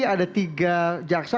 ada tiga jaksa